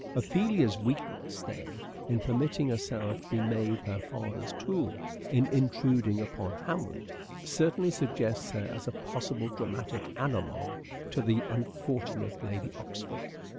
Ophelia's weakness, then, in permitting herself to be made her father's tool in intruding upon Hamlet, certainly suggests her as a possible dramatic analogue to the unfortunate Lady Oxford.